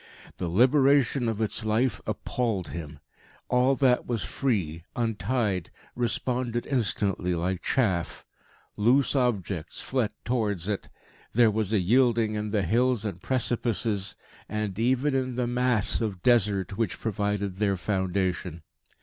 The liberation of its life appalled him. All that was free, untied, responded instantly like chaff; loose objects fled towards it; there was a yielding in the hills and precipices; and even in the mass of Desert which provided their foundation.